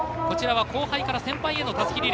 こちらは後輩から先輩へ。